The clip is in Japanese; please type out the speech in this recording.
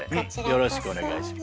よろしくお願いします。